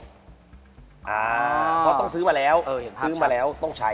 เพราะต้องซื้อมาแล้วซื้อมาแล้วต้องใช้